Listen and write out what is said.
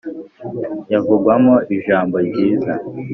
yavugwagamo ijambo ryiza.